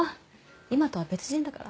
今とは別人だから。